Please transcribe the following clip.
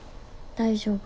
大丈夫。